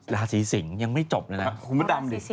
ราศีสิงยังไม่จบเลยนะ